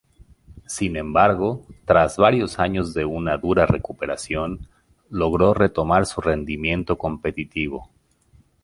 Sin embargo, tras varios años de una dura recuperación, logró retomar su rendimiento competitivo.